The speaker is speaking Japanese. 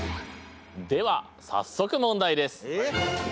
では早速問題です。